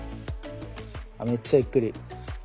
あっめっちゃゆっくり。